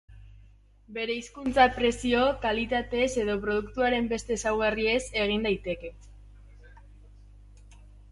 Bereizkuntza prezio, kalitatez edo produktuaren beste ezaugarriez egin daiteke.